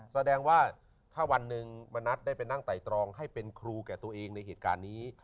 แสดงว่าถ้าวันหนึ่งมณัฐได้ไปนั่งไต่ตรองให้เป็นครูแก่ตัวเองในเหตุการณ์นี้